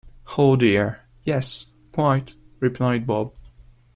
‘Oh dear, yes, quite,’ replied Bob.